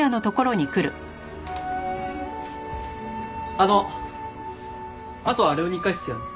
あのあとはあれを２階っすよね？